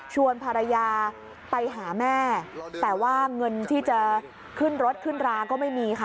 ภรรยาไปหาแม่แต่ว่าเงินที่จะขึ้นรถขึ้นราก็ไม่มีค่ะ